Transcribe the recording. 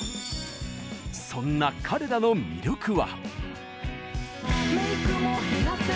そんな彼らの魅力は。